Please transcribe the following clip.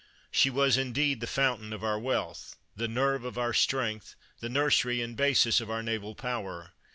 She was, indeed, the fountain of our wealth, the nerve of our strength, the nursery and basis of our naval power.